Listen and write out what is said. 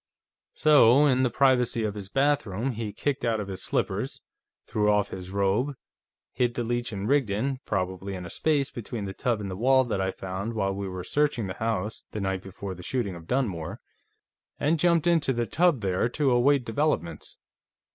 "So, in the privacy of his bathroom, he kicked out of his slippers, threw off his robe, hid the Leech & Rigdon, probably in a space between the tub and the wall that I found while we were searching the house, the night before the shooting of Dunmore, and jumped into the tub, there to await developments.